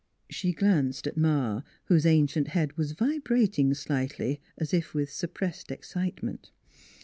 She glanced at Ma, whose ancient head was vibrating slightly, as if with suppressed excite ment.